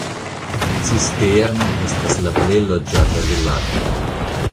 Cistierna estas la plej loĝata vilaĝo.